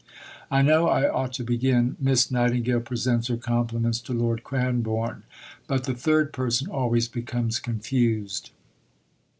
I know I ought to begin, "Miss Nightingale presents her compliments to Lord Cranborne." But the "third person" always becomes confused.